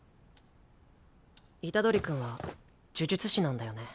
タッ虎杖君は呪術師なんだよね？